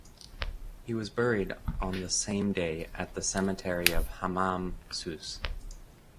He was buried on the same day at the cemetery of Hammam Sousse.